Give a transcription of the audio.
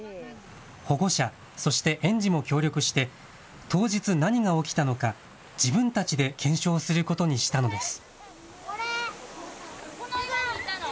保護者、そして園児も協力して当日何が起きたのか自分たちで検証することにしたのです。